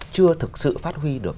chưa thực sự phát huy được